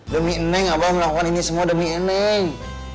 demi neng abah melakukan ini semua demi neng